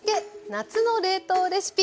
夏の冷凍レシピ」。